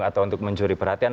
atau untuk mencuri perhatian